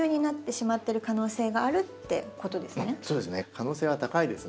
可能性は高いですね。